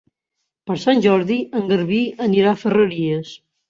Per Sant Jordi en Garbí anirà a Ferreries.